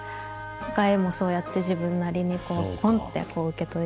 絵もそうやって自分なりにポンって受け取りたいなって。